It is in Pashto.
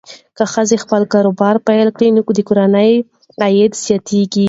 که ښځه خپل کاروبار پیل کړي، نو د کورنۍ عاید زیاتېږي.